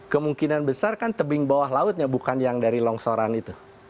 kemungkinan besar kan tebing bawah lautnya bukan yang dari longsoran itu